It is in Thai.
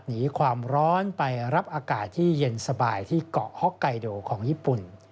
หนีความร้อนไปรับอากาศที่เย็นสบายที่เกาะฮ็อกไกโดของญี่ปุ่น